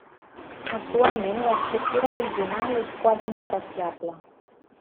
Actualment l'estructura original és quasi inapreciable.